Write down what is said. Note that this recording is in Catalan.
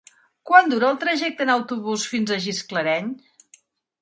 Quant dura el trajecte en autobús fins a Gisclareny?